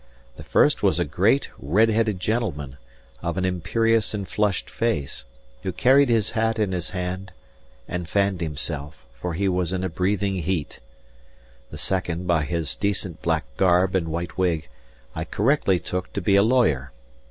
The first was a great, red headed gentleman, of an imperious and flushed face, who carried his hat in his hand and fanned himself, for he was in a breathing heat. The second, by his decent black garb and white wig, I correctly took to be a lawyer.